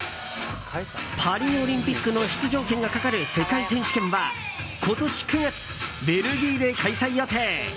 パリオリンピックの出場権がかかる世界選手権は今年９月、ベルギーで開催予定。